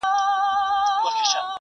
شاګردان غوږ نیسي.